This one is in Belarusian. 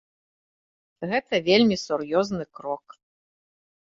Гэта вельмі сур'ёзны крок.